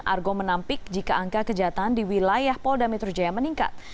argo menampik jika angka kejahatan di wilayah polda metro jaya meningkat